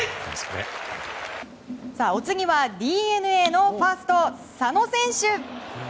お次はＤｅＮＡのファースト佐野選手。